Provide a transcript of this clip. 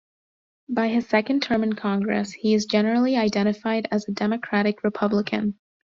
By his second term in congress he is generally identified as a Democratic-Republican.